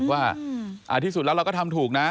ว่าที่สุดแล้วเราก็ทำถูกนะ